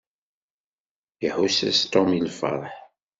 Iḥuss-as Tom i lfeṛḥ.